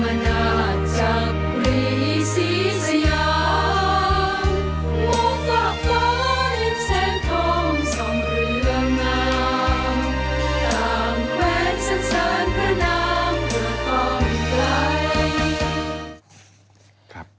ตามแหวนสันสารพระนางหรือของใกล้